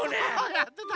やってた。